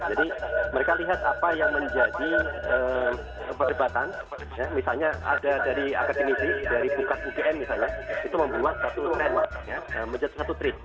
jadi mereka lihat apa yang menjadi perdebatan misalnya ada dari akademisi dari bukas ugm misalnya itu membuat satu tren menjadi satu trip